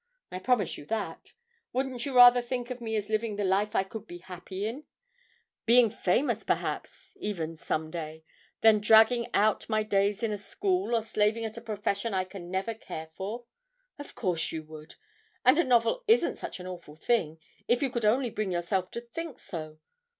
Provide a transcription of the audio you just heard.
I promise you that. Wouldn't you rather think of me as living the life I could be happy in being famous, perhaps, even, some day than dragging out my days in a school or slaving at a profession I can never care for? Of course you would! And a novel isn't such an awful thing, if you could only bring yourself to think so.